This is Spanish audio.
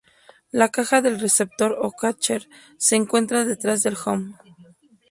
La caja del receptor o catcher se encuentra detrás del "home".